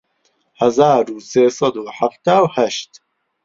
هەزار و سێ سەد و حەفتا و هەشت